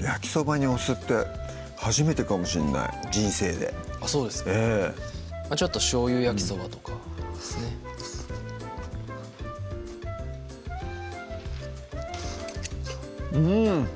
焼きそばにお酢って初めてかもしんない人生でそうですかちょっとしょうゆ焼きそばとかうん！